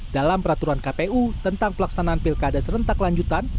dalam peraturan kpu tentang pelaksanaan pilkada serentak lanjutan